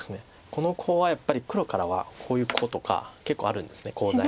このコウはやっぱり黒からはこういうコウとか結構あるんですコウ材が。